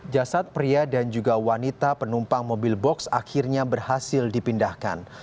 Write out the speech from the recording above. jasad pria dan juga wanita penumpang mobil box akhirnya berhasil dipindahkan